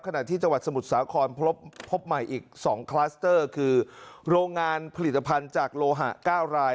ขณะที่จังหวัดสมุทรสาครพบใหม่อีก๒คลัสเตอร์คือโรงงานผลิตภัณฑ์จากโลหะ๙ราย